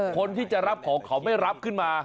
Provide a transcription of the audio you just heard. คนที่จะรับของเขาไม่รับขึ้นมา